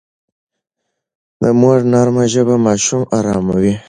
د مور نرمه ژبه ماشوم اراموي.